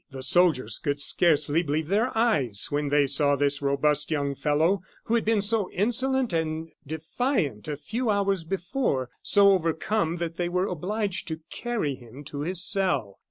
The soldiers could scarcely believe their eyes when they saw this robust young fellow, who had been so insolent and defiant a few hours before, so overcome that they were obliged to carry him to his cell.